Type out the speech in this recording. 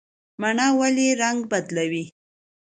مڼه ولې رنګ بدلوي؟